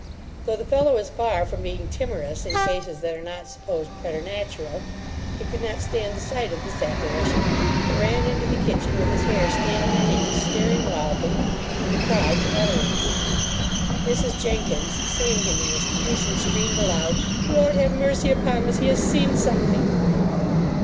Though the fellow is far from being timorous in cases that are not supposed preternatural, he could not stand the sight of this apparition, but ran into the kitchen, with his hair standing on end, staring wildly, and deprived of utterance. Mrs Jenkins, seeing him in this condition, screamed aloud, 'Lord have mercy upon us, he has seen something!